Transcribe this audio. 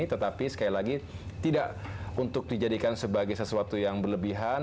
tetapi sekali lagi tidak untuk dijadikan sebagai sesuatu yang berlebihan